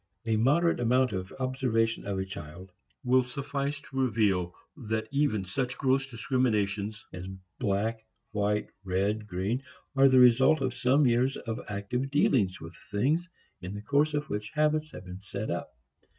A moderate amount of observation of a child will suffice to reveal that even such gross discriminations as black, white, red, green, are the result of some years of active dealings with things in the course of which habits have been set up.